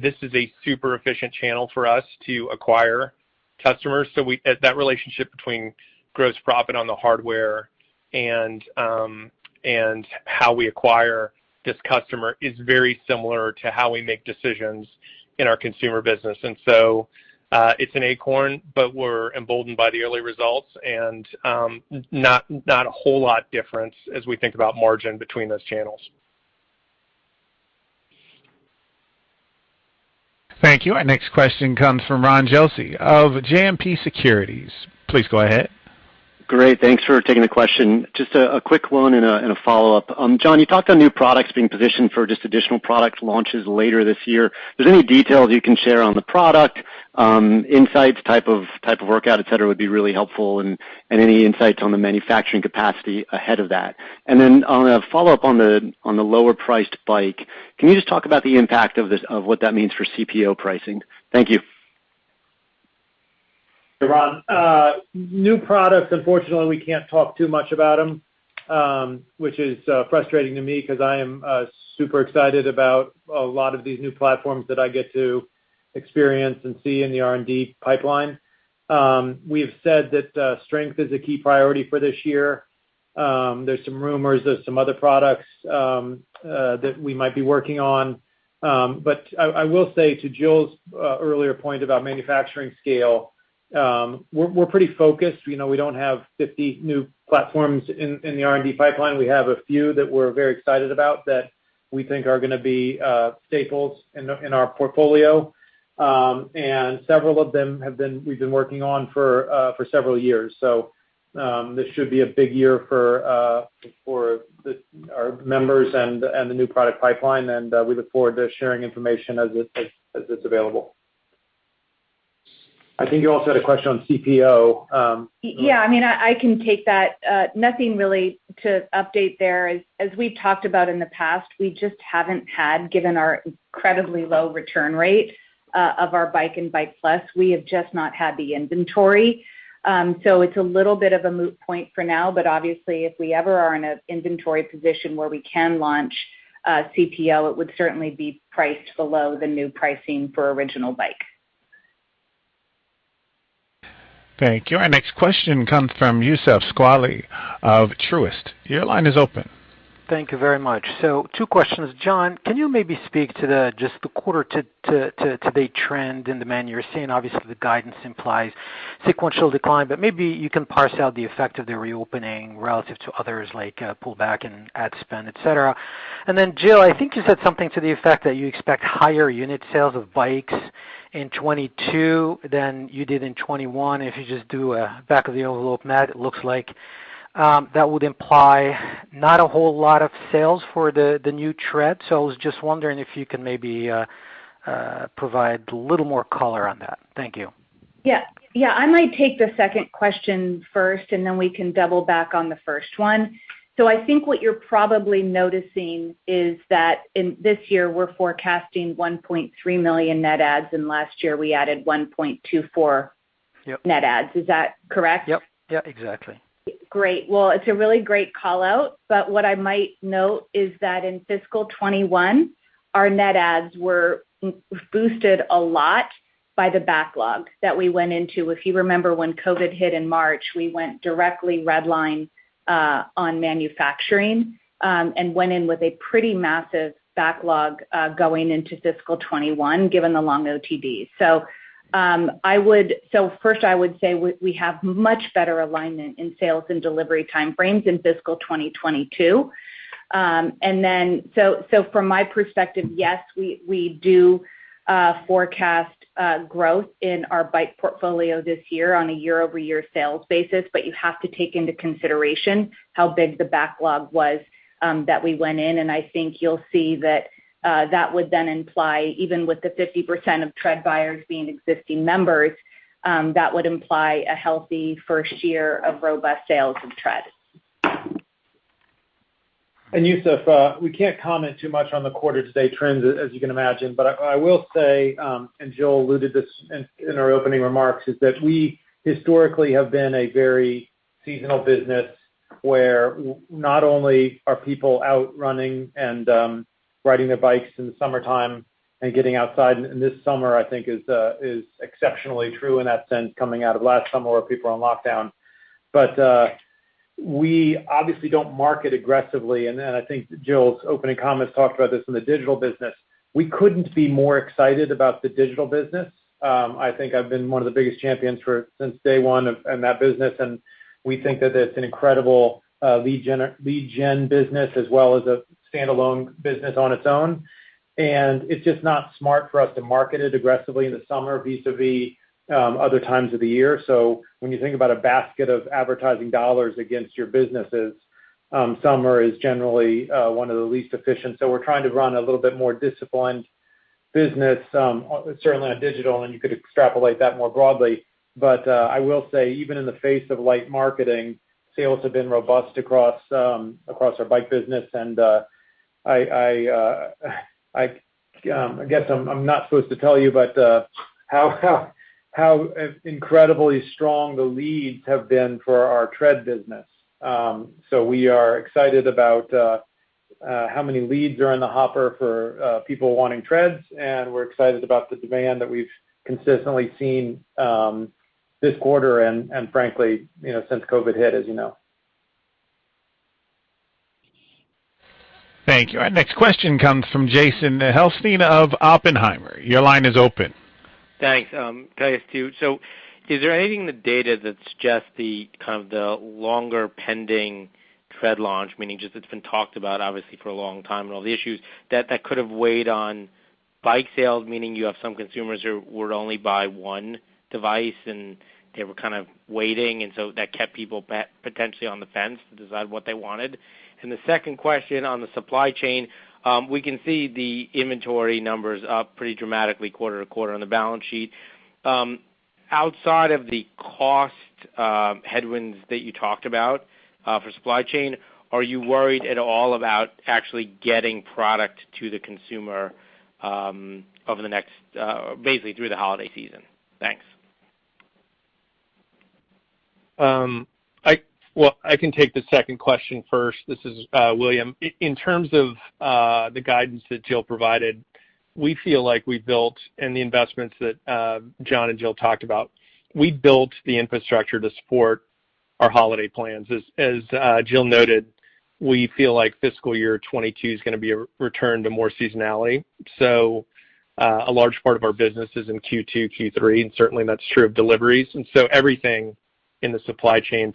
This is a super efficient channel for us to acquire customers. That relationship between gross profit on the hardware and how we acquire this customer is very similar to how we make decisions in our consumer business. It's an acorn, but we're emboldened by the early results. Not a whole lot different as we think about margin between those channels. Thank you. Our next question comes from Ron Josey of JMP Securities. Please go ahead. Great. Thanks for taking the question. Just a quick one and a follow-up. John, you talked on new products being positioned for just additional product launches later this year. If there's any details you can share on the product, insights, type of workout, et cetera, would be really helpful, and any insights on the manufacturing capacity ahead of that. On a follow-up on the lower priced bike, can you just talk about the impact of what that means for CPO pricing? Ron. New products, unfortunately, we can't talk too much about them, which is frustrating to me because I am super excited about a lot of these new platforms that I get to experience and see in the R&D pipeline. We have said that strength is a key priority for this year. There's some rumors there's some other products that we might be working on. I will say to Jill's earlier point about manufacturing scale, we're pretty focused. We don't have 50 new platforms in the R&D pipeline. We have a few that we're very excited about that we think are going to be staples in our portfolio. Several of them we've been working on for several years. This should be a big year for our members and the new product pipeline, and we look forward to sharing information as it's available. I think you also had a question on CPO. Yeah, I can take that. Nothing really to update there. As we've talked about in the past, we just haven't had, given our incredibly low return rate of our Bike and Bike+, we have just not had the inventory. It's a little bit of a moot point for now, but obviously, if we ever are in an inventory position where we can launch CPO, it would certainly be priced below the new pricing for original Bike. Thank you. Our next question comes from Youssef Squali of Truist. Your line is open. Thank you very much. Two questions. John, can you maybe speak to the, just the quarter-to-date trend in demand you're seeing? Obviously, the guidance implies sequential decline, but maybe you can parse out the effect of the reopening relative to others, like pullback and ad spend, et cetera. Jill, I think you said something to the effect that you expect higher unit sales of bikes in 2022 than you did in 2021. If you just do a back-of-the-envelope math, it looks like that would imply not a whole lot of sales for the new Tread. I was just wondering if you can maybe provide a little more color on that. Thank you. Yeah. I might take the second question first, and then we can double back on the first one. I think what you're probably noticing is that in this year, we're forecasting 1.3 million net adds, and last year we added 1.24 million net adds. Is that correct? Yep. Exactly. Great. What I might note is that in fiscal 2021, our net adds were boosted a lot by the backlog that we went into. If you remember when COVID hit in March, we went directly red line on manufacturing, and went in with a pretty massive backlog, going into fiscal 2021, given the long OTD. First I would say, we have much better alignment in sales and delivery time frames in fiscal 2022. From my perspective, yes, we do forecast growth in our Bike portfolio this year on a year-over-year sales basis, but you have to take into consideration how big the backlog was that we went in. I think you'll see that that would then imply, even with the 50% of Tread buyers being existing members, that would imply a healthy first year of robust sales of Tread. Youssef, we can't comment too much on the quarter to date trends, as you can imagine. I will say, and Jill alluded this in our opening remarks, is that we historically have been a very seasonal business where not only are people out running and riding their bikes in the summertime and getting outside, and this summer, I think is exceptionally true in that sense, coming out of last summer where people are on lockdown. We obviously don't market aggressively, and I think Jill's opening comments talked about this in the digital business. We couldn't be more excited about the digital business. I think I've been one of the biggest champions for it since day one in that business, and we think that it's an incredible lead gen business as well as a standalone business on its own. It's just not smart for us to market it aggressively in the summer, vis-a-vis other times of the year. When you think about a basket of advertising dollars against your businesses, summer is generally one of the least efficient. We're trying to run a little bit more disciplined business, certainly on digital, and you could extrapolate that more broadly. I will say, even in the face of light marketing, sales have been robust across our Bike business. I guess I'm not supposed to tell you, but how incredibly strong the leads have been for our Tread business. We are excited about how many leads are in the hopper for people wanting Treads, and we're excited about the demand that we've consistently seen this quarter and frankly, since COVID hit, as you know. Thank you. Our next question comes from Jason Helfstein of Oppenheimer. Your line is open. Thanks. Guys, is there anything in the data that suggests the longer pending Tread launch, meaning just it's been talked about, obviously, for a long time, and all the issues that could have weighed on Bike sales, meaning you have some consumers who would only buy one device, and they were kind of waiting, that kept people potentially on the fence to decide what they wanted. The second question on the supply chain. We can see the inventory numbers up pretty dramatically quarter-over-quarter on the balance sheet. Outside of the cost headwinds that you talked about for supply chain, are you worried at all about actually getting product to the consumer over the next, basically through the holiday season? Thanks. Well, I can take the second question first. This is William. In terms of the guidance that Jill provided, we feel like we built, and the investments that John and Jill talked about, we built the infrastructure to support our holiday plans. As Jill noted, we feel like fiscal year 2022 is going to be a return to more seasonality. A large part of our business is in Q2, Q3, and certainly, that's true of deliveries. Everything in the supply chain,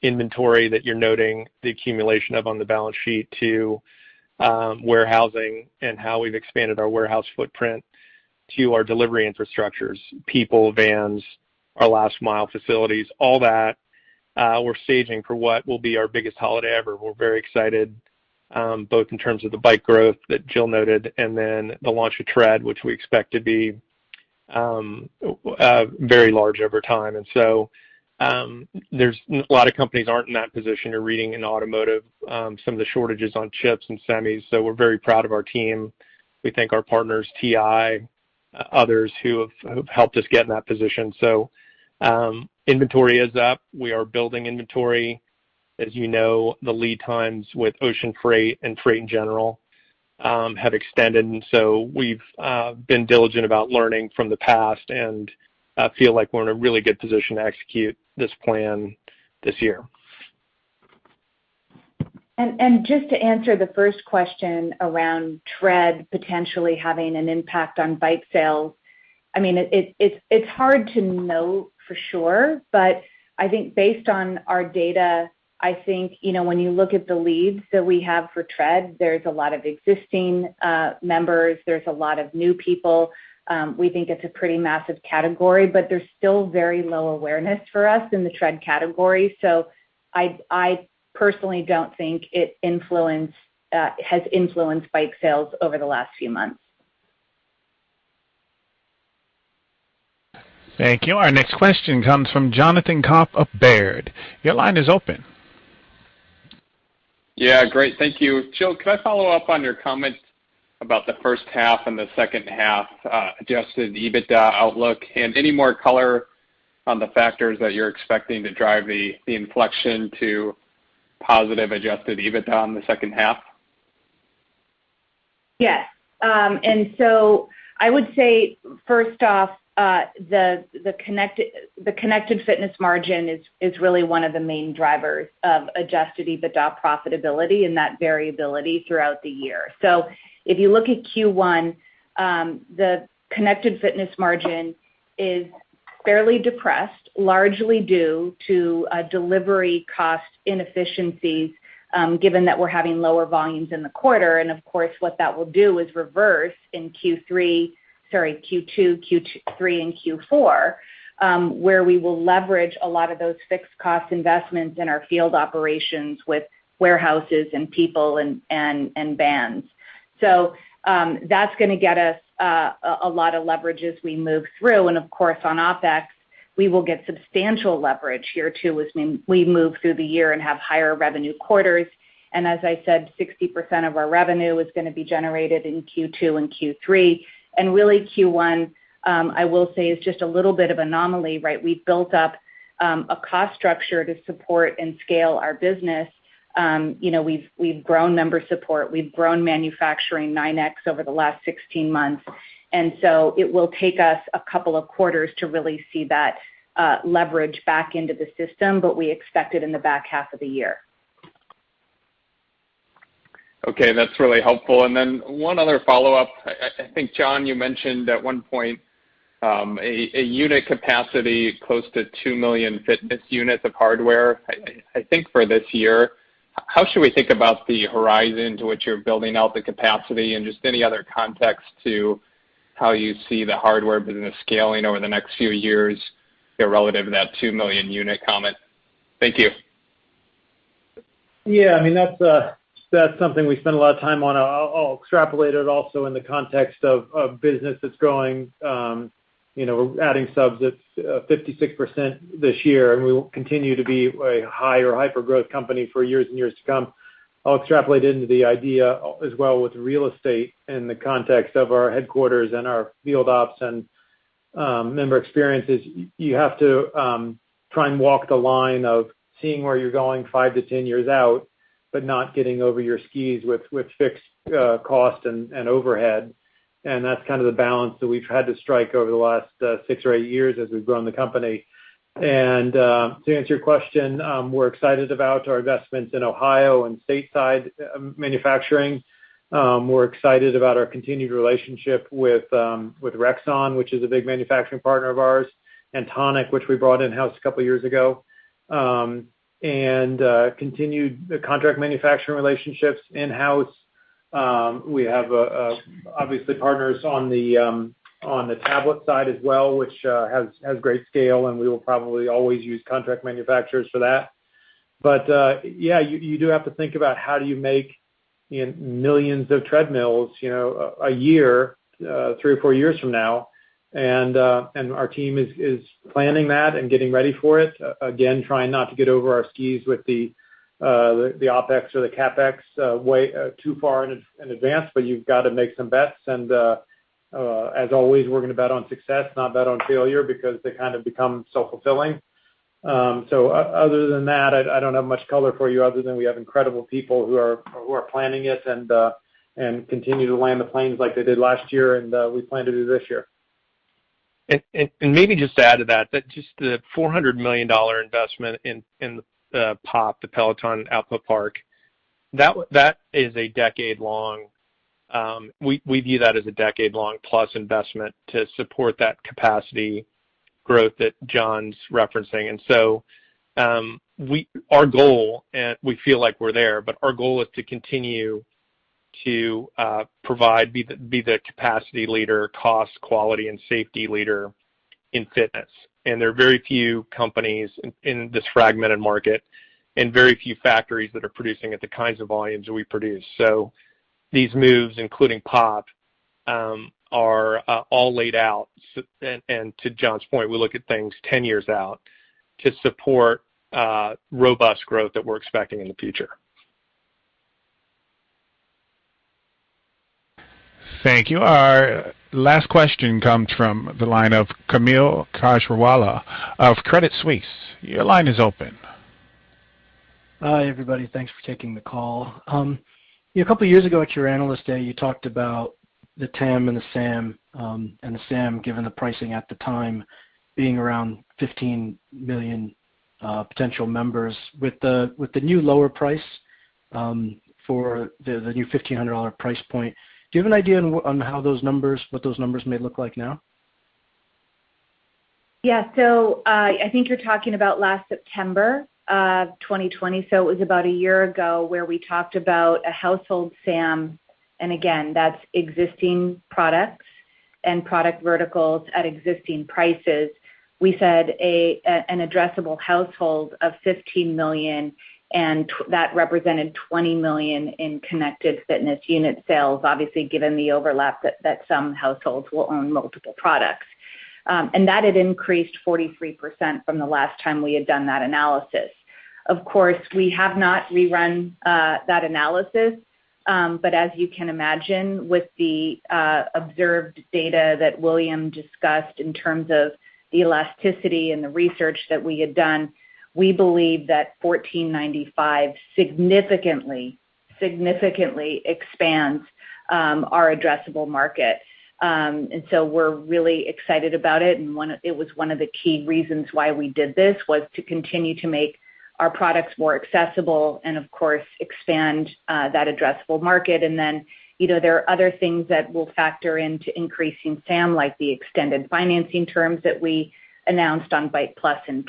from inventory that you're noting the accumulation of on the balance sheet, to warehousing and how we've expanded our warehouse footprint to our delivery infrastructures, people, vans, our last mile facilities, all that, we're saving for what will be our biggest holiday ever. We're very excited, both in terms of the bike growth that Jill noted and then the launch of Tread, which we expect to be very large over time. A lot of companies aren't in that position. You're reading in automotive some of the shortages on chips and semis. We're very proud of our team. We thank our partners, TI, others who have helped us get in that position. Inventory is up. We are building inventory. As you know, the lead times with ocean freight and freight in general have extended. We've been diligent about learning from the past and feel like we're in a really good position to execute this plan this year. Just to answer the first question around Tread potentially having an impact on Bike sales. It's hard to know for sure. I think based on our data, I think, when you look at the leads that we have for Tread, there's a lot of existing members. There's a lot of new people. We think it's a pretty massive category. There's still very low awareness for us in the Tread category. I personally don't think it has influenced Bike sales over the last few months. Thank you. Our next question comes from Jonathan Komp of Baird. Your line is open. Yeah, great. Thank you. Jill, could I follow up on your comment about the first half and the second half adjusted EBITDA outlook? Any more color on the factors that you're expecting to drive the inflection to positive adjusted EBITDA in the second half? Yes. I would say, first off, the Connected Fitness margin is really one of the main drivers of adjusted EBITDA profitability and that variability throughout the year. If you look at Q1, the Connected Fitness margin is fairly depressed, largely due to delivery cost inefficiencies, given that we're having lower volumes in the quarter. Of course, what that will do is reverse in Q2, Q3, and Q4, where we will leverage a lot of those fixed cost investments in our field operations with warehouses and people and vans. That's going to get us a lot of leverage as we move through. Of course, on OpEx, we will get substantial leverage here too, as we move through the year and have higher revenue quarters. As I said, 60% of our revenue is going to be generated in Q2 and Q3. Really Q1, I will say, is just a little bit of anomaly, right? We've built up a cost structure to support and scale our business. We've grown member support. We've grown manufacturing 9x over the last 16 months. It will take us a couple of quarters to really see that leverage back into the system. We expect it in the back half of the year. Okay. That's really helpful. Then one other follow-up. I think, John, you mentioned at one point, a unit capacity close to 2 million fitness units of hardware, I think for this year. How should we think about the horizon to which you're building out the capacity and just any other context to how you see the hardware business scaling over the next few years, relative to that 2 million unit comment. Thank you. Yeah, that's something we spend a lot of time on. I'll extrapolate it also in the context of a business that's growing. We're adding subs at 56% this year, and we will continue to be a high or hyper-growth company for years and years to come. I'll extrapolate into the idea as well with real estate in the context of our headquarters and our field ops and member experiences. You have to try and walk the line of seeing where you're going five to 10 years out, but not getting over your skis with fixed cost and overhead. That's kind of the balance that we've had to strike over the last six or eight years as we've grown the company. To answer your question, we're excited about our investments in Ohio and stateside manufacturing. We're excited about our continued relationship with Rexon, which is a big manufacturing partner of ours, and Tonic, which we brought in-house a couple of years ago. Continued contract manufacturing relationships in-house. We have, obviously partners on the tablet side as well, which, has great scale and we will probably always use contract manufacturers for that. Yeah, you do have to think about how do you make millions of treadmills a year, three or four years from now. Our team is planning that and getting ready for it. Again, trying not to get over our skis with the OpEx or the CapEx way too far in advance, but you've got to make some bets and, as always, we're going to bet on success, not bet on failure, because they kind of become self-fulfilling. Other than that, I don't have much color for you other than we have incredible people who are planning it and continue to land the planes like they did last year and we plan to do this year. Maybe just to add to that, just the $400 million investment in POP, the Peloton Output Park, we view that as a decade-long plus investment to support that capacity growth that John's referencing. Our goal, and we feel like we're there, but our goal is to continue to provide, be the capacity leader, cost, quality, and safety leader in fitness. There are very few companies in this fragmented market and very few factories that are producing at the kinds of volumes that we produce. These moves, including POP, are all laid out. To John's point, we look at things 10 years out to support robust growth that we're expecting in the future. Thank you. Our last question comes from the line of Kaumil Gajrawala of Credit Suisse. Your line is open. Hi, everybody. Thanks for taking the call. A couple of years ago at your Analyst Day, you talked about the TAM and the SAM, given the pricing at the time being around 15 million potential members. With the new lower price, for the new $1,500 price point, do you have an idea on what those numbers may look like now? Yeah. I think you're talking about last September of 2020. It was about a year ago where we talked about a household SAM, and again, that's existing products and product verticals at existing prices. We said an addressable household of 15 million, and that represented 20 million in connected fitness unit sales, obviously, given the overlap that some households will own multiple products. That had increased 43% from the last time we had done that analysis. Of course, we have not rerun that analysis. As you can imagine with the observed data that William discussed in terms of the elasticity and the research that we had done, we believe that $1,495 significantly expands our addressable market. We're really excited about it, and it was one of the key reasons why we did this, was to continue to make our products more accessible and, of course, expand that addressable market. There are other things that will factor into increasing SAM, like the extended financing terms that we announced on Bike+ and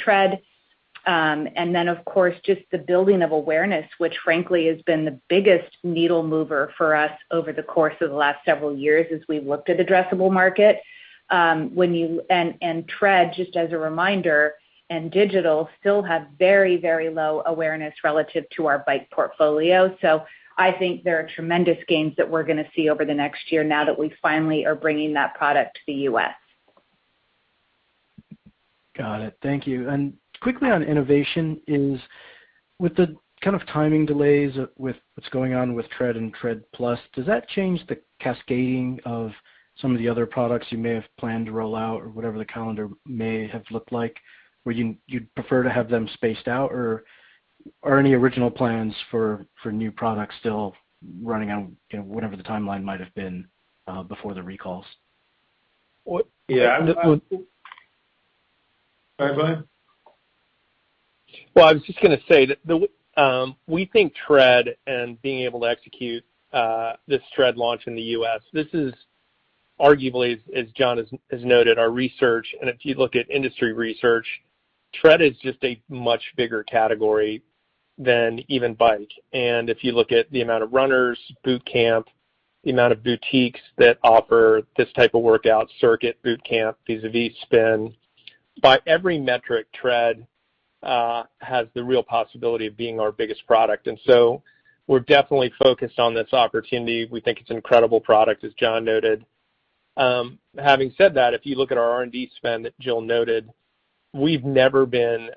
Tread. Of course, just the building of awareness, which frankly has been the biggest needle mover for us over the course of the last several years as we've looked at addressable market. Tread, just as a reminder, and digital, still have very, very low awareness relative to our Bike portfolio. I think there are tremendous gains that we're going to see over the next year now that we finally are bringing that product to the U.S. Got it. Thank you. Quickly on innovation is, with the kind of timing delays with what's going on with Tread and Tread+, does that change the cascading of some of the other products you may have planned to roll out or whatever the calendar may have looked like? Would you prefer to have them spaced out, or are any original plans for new products still running on whatever the timeline might have been before the recalls? Yeah. Well, I was just going to say that we think Tread and being able to execute this Tread launch in the U.S., this is arguably, as John has noted, our research, and if you look at industry research, Tread is just a much bigger category than even bike. If you look at the amount of runners, boot camp, the amount of boutiques that offer this type of workout, circuit, boot camp, vis-a-vis spin. By every metric, Tread has the real possibility of being our biggest product. We're definitely focused on this opportunity. We think it's an incredible product, as John noted. Having said that, if you look at our R&D spend that Jill noted, we've never been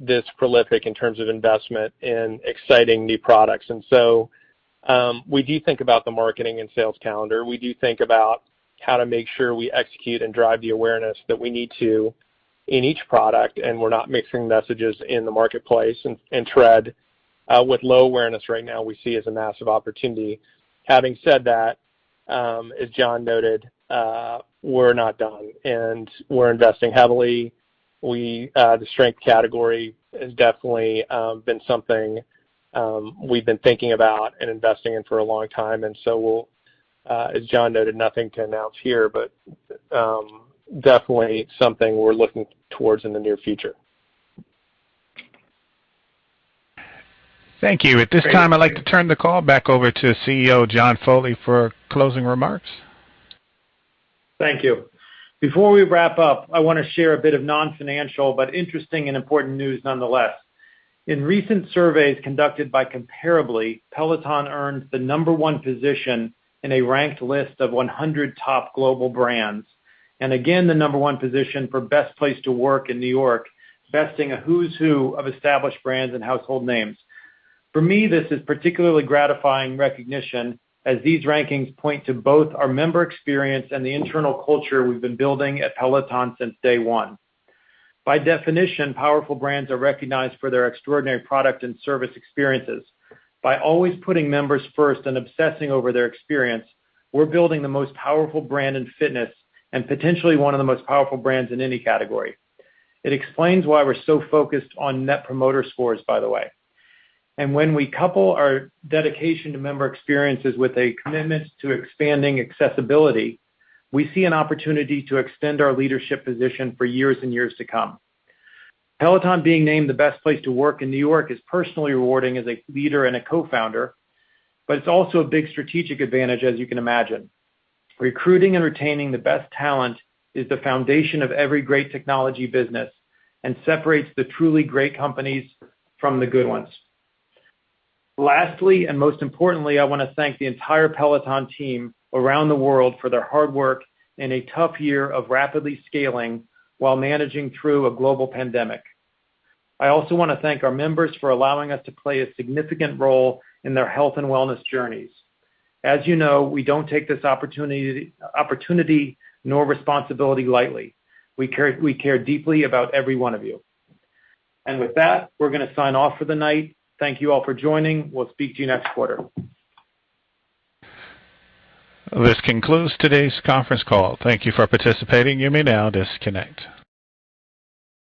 this prolific in terms of investment in exciting new products. We do think about the marketing and sales calendar. We do think about how to make sure we execute and drive the awareness that we need to in each product, and we're not mixing messages in the marketplace, and Tread, with low awareness right now, we see as a massive opportunity. Having said that, as John noted, we're not done, and we're investing heavily. The strength category has definitely been something we've been thinking about and investing in for a long time, and so we'll, as John noted, nothing to announce here, but definitely something we're looking towards in the near future. Thank you. At this time, I'd like to turn the call back over to CEO John Foley for closing remarks. Thank you. Before we wrap up, I want to share a bit of non-financial, but interesting and important news nonetheless. In recent surveys conducted by Comparably, Peloton earned the number 1 position in a ranked list of 100 top global brands, and again, the number one position for best place to work in New York, besting a who's who of established brands and household names. For me, this is particularly gratifying recognition, as these rankings point to both our member experience and the internal culture we've been building at Peloton since day one. By definition, powerful brands are recognized for their extraordinary product and service experiences. By always putting members first and obsessing over their experience, we're building the most powerful brand in fitness and potentially one of the most powerful brands in any category. It explains why we're so focused on Net Promoter Scores, by the way. When we couple our dedication to member experiences with a commitment to expanding accessibility, we see an opportunity to extend our leadership position for years and years to come. Peloton being named the best place to work in New York is personally rewarding as a leader and a co-founder, but it's also a big strategic advantage, as you can imagine. Recruiting and retaining the best talent is the foundation of every great technology business and separates the truly great companies from the good ones. Lastly, and most importantly, I want to thank the entire Peloton team around the world for their hard work in a tough year of rapidly scaling while managing through a global pandemic. I also want to thank our members for allowing us to play a significant role in their health and wellness journeys. As you know, we don't take this opportunity nor responsibility lightly. We care deeply about every one of you. With that, we're going to sign off for the night. Thank you all for joining. We'll speak to you next quarter. This concludes today's conference call. Thank you for participating. You may now disconnect.